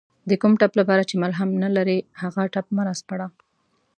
د کوم ټپ لپاره چې مرهم نلرې هغه ټپ مه راسپړه